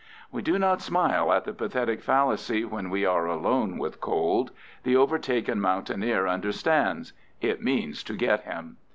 We do not smile at the pathetic fallacy when we are alone with cold. The overtaken mountaineer understands—it means to get him.